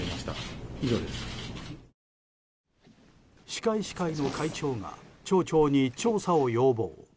歯科医師会の会長が町長に調査を要望。